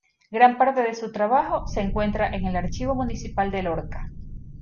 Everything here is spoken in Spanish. Gran parte de su trabajo se encuentra en el Archivo Municipal de Lorca.